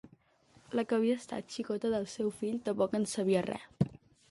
La que havia estat xicota del seu fill tampoc en sabia res.